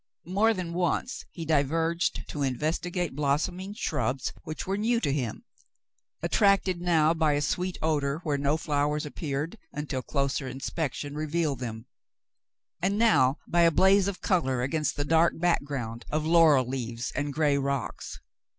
More than once he diverged to investigate blossoming shrubs which were new to him, attracted now by a sweet odor where no flowers appeared, until closer inspection revealed them, and now by a blaze of color against the dark background of laurel leaves and gray rocks.